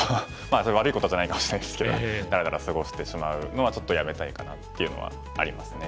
それは悪いことじゃないかもしれないですけどだらだら過ごしてしまうのはちょっとやめたいかなっていうのはありますね。